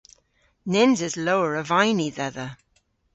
Nyns eus lowr a vayni dhedha.